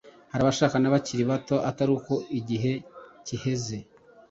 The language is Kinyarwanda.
hari aBASHAKAna bakiri bato atari uko igihe kiheze